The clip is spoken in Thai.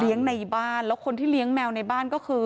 ในบ้านแล้วคนที่เลี้ยงแมวในบ้านก็คือ